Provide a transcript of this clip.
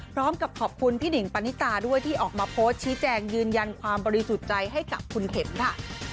พร้อมกับขอบคุณพี่หิงปณิตาด้วยที่ออกมาโพสต์ชี้แจงยืนยันความบริสุทธิ์ใจให้กับคุณเข็มค่ะ